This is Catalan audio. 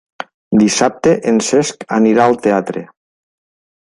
Dissabte en Cesc anirà al teatre.